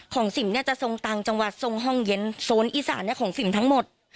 สิมเนี่ยจะทรงต่างจังหวัดทรงห้องเย็นโซนอีสานของสิมทั้งหมด